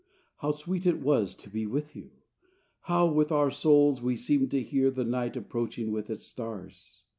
How sweet it was to be with you! How, with our souls, we seemed to hear The night approaching with its stars!